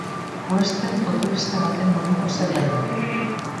Western futurista baten moduko zerbait da.